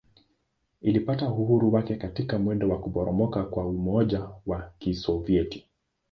Ilipata uhuru wake katika mwendo wa kuporomoka kwa Umoja wa Kisovyeti.